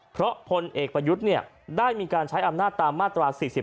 เพราะพลเอกประยุทธ์ได้มีการใช้อำนาจตามมาตรา๔๔